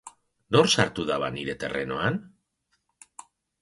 Nor sartu da ba nire terrenoan?